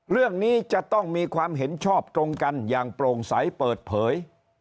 เรื่องนี้จะต้องมีความเห็นชอบตรงกันอย่างโปร่งใสเปิดเผย